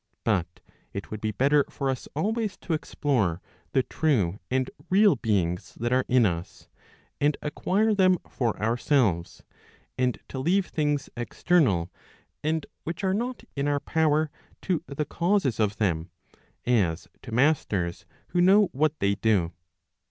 But it would be better for us always to explore the true and real beings that are in us, and acquire them for ourselves, and to leave things external, and which are not in our power to the causes of them, as to masters who know what they do.